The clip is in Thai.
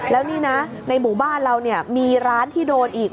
แล้วนี่นะในหมู่บ้านเราเนี่ยมีร้านที่โดนอีก